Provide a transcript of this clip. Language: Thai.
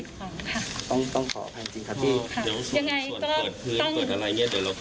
ถูกต้องตามมาตรฐาน